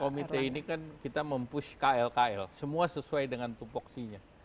karena komite ini kan kita mempush kl kl semua sesuai dengan topoksinya